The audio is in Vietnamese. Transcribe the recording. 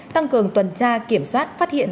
tăng cường tuần tra kiểm soát phát hiện